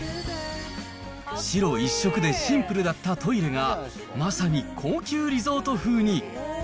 白一色でシンプルだったトイレが、まさに高級リゾート風に。